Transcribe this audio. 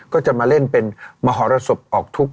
ก็จะมาเล่นเป็นมหรสบออกทุกข